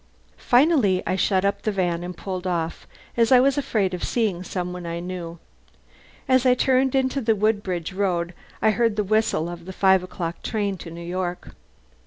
Finally I shut up the van and pulled off, as I was afraid of seeing some one I knew. As I turned into the Woodbridge Road I heard the whistle of the five o'clock train to New York.